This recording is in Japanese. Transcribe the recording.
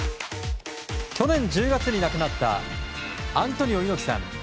去年１０月に亡くなったアントニオ猪木さん。